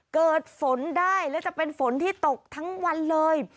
เกิดฝนได้และจะเป็นฝนที่ตกทั้งวันเลย